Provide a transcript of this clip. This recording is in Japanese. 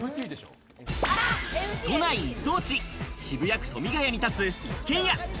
都内一等地、渋谷区富ヶ谷にたつ一軒家。